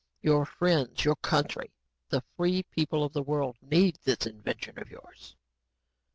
Your friends, your country, the free people of the world, need this invention of yours."